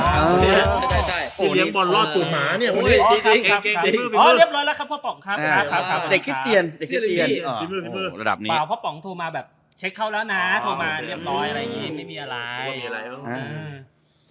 มึงถามคนตัดมาตอนเนี้ยคุณอยากจะรู้เป็นไงวะไอต้องเริ่มไหมจะเอาอะไรออก